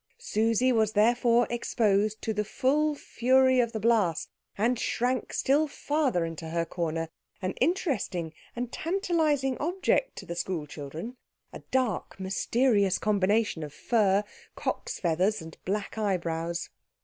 Susie was therefore exposed to the full fury of the blast, and shrank still farther into her corner an interesting and tantalising object to the school children, a dark, mysterious combination of fur, cocks' feathers, and black eyebrows.